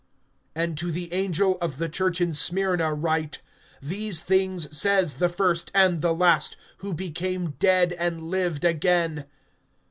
(8)And to the angel of the church in Smyrna write: These things says the first and the last, who became dead, and lived again.